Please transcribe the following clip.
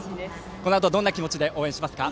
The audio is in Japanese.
このあと、どんな気持ちで応援しますか？